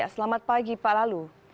selamat pagi pak lalu